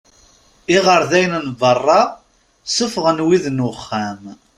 Iɣerdayen n berra ssufɣen wid n uxxam.